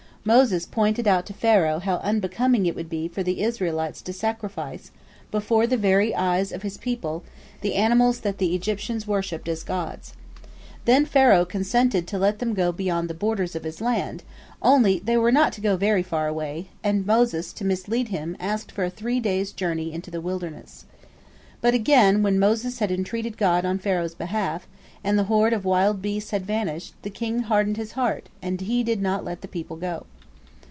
Moses pointed out to Pharaoh how unbecoming it would be for the Israelites to sacrifice, before the very eyes of his people, the animals that the Egyptians worshipped as gods. Then Pharaoh consented to let them go beyond the borders of his land, only they were not to go very far away, and Moses, to mislead him, asked for a three days' journey into the wilderness. But, again, when Moses had entreated God on Pharaoh's behalf, and the horde of wild beasts had vanished, the king hardened his heart, and did not let the people go.